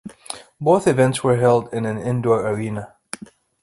Both events were held in an indoor arena.